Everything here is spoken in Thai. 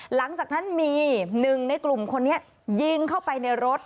หลังจากนั้นมีหนึ่งในกลุ่มคนนี้ยิงเข้าไปในรถ